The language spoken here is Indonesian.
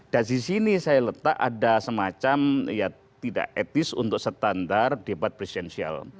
dan di sini saya letak ada semacam ya tidak etis untuk standar debat presidensial